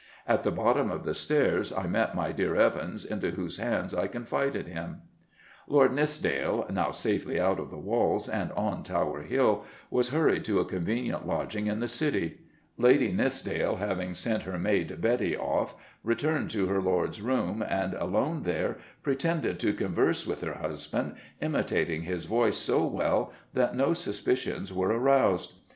At the bottom of the stairs I met my dear Evans, into whose hands I confided him." Lord Nithsdale, now safely out of the walls and on Tower Hill, was hurried to a convenient lodging in the City. Lady Nithsdale, having sent "her maid Betty" off, returned to her lord's room, and, alone there, pretended to converse with her husband, imitating his voice so well that no suspicions were aroused.